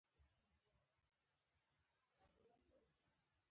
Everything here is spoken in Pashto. ډګروال په دوربین کې هغه ولید او تایید یې کړه